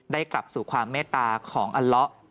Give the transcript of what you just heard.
กลับสู่ความเมตตาของอัลละ